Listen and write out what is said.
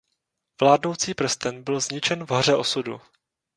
Vládnoucí prsten byl zničen v Hoře Osudu.